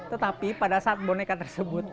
tetapi pada saat boneka tersebut